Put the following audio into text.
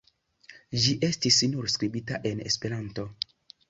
Ĝi estis nur skribita en Esperanto.